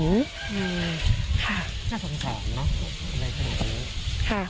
หน้าส่วนสองอะไรขนาดนี้